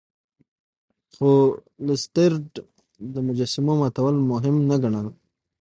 خو لیسټرډ د مجسمو ماتول مهم نه ګڼل.